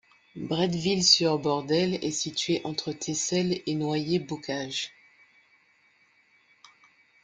Bretteville-sur-Bordel est situé entre Tessel et Noyers-Bocage.